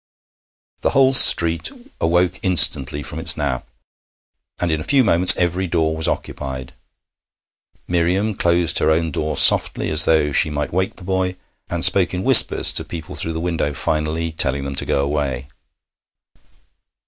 The whole street awoke instantly from its nap, and in a few moments every door was occupied. Miriam closed her own door softly, as though she might wake the boy, and spoke in whispers to people through the window, finally telling them to go away.